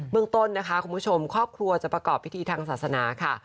เมืองต้นนะคะคุณผู้ชมครอบครัวจะประกอบพิธีทางศาสนาค่ะ